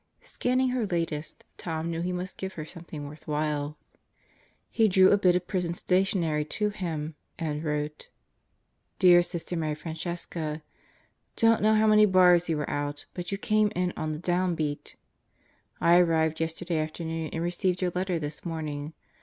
Scanning her latest Tom knew he must give her something worth while. He drew a bit of prison stationery to him and wrote: Dear Sister Mary Francesca: Don't know how many bars you were out, but you came in on the down beat! I arrived yesterday afternoon and received your letter this morning.